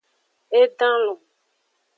E dan lon.